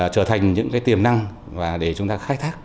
trở thành những cái tiềm năng để chúng ta khai thác